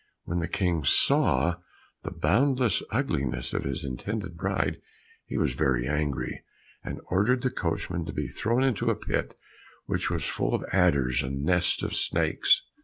When the King saw the boundless ugliness of his intended bride, he was very angry, and ordered the coachman to be thrown into a pit which was full of adders and nests of snakes.